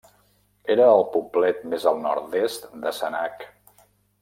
Era el poblet més al nord-est de Sanaag.